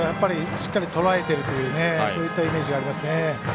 しっかりとらえてるというそういったイメージがありますね。